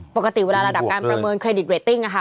ปกติเวลาระดับการประเมินเครดิตเรตติ้งอะค่ะ